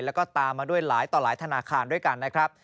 แล้วก็ตามมาด้วยหลายต่อหลายธนาคารด้วยกันนะครับ